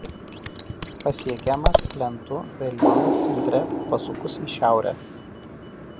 Pasiekiamas plentu Veliuonos centre pasukus į šiaurę.